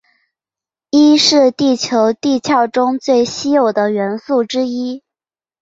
铱是地球地壳中最稀有的元素之一。